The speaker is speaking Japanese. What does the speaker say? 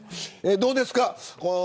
どうですか。